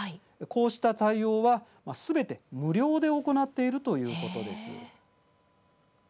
こうした対応は、すべて無料で行っているということです。